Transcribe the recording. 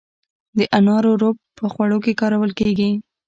د انارو رب په خوړو کې کارول کیږي.